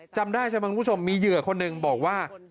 จำได้ใช่ไหมคุณผู้ชมมีเหยื่อคนหนึ่งบอกว่า